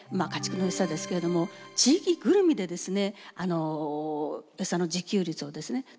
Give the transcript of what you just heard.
家畜のエサですけれども地域ぐるみでですねエサの自給率をですね